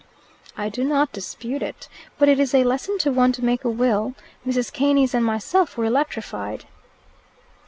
"I do not dispute it. But it is a lesson to one to make a will. Mrs. Keynes and myself were electrified."